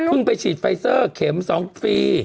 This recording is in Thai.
ไปฉีดไฟเซอร์เข็ม๒ฟรี